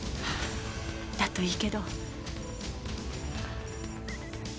だといいけど。